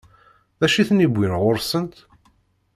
D acu i ten-iwwin ɣur-sent?